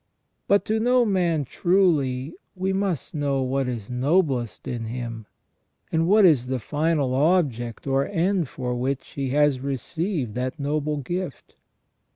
t But to know man truly we must know what is noblest in him, and what is the final object or end for which he has received that noble gift.